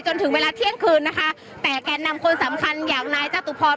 จนถึงเวลาเที่ยงคืนนะคะแต่แก่นำคนสำคัญอย่างนายจตุพร